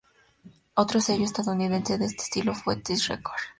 Otro sello estadounidense de este estilo fue Tess Records.